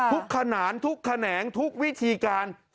ขนานทุกแขนงทุกวิธีการ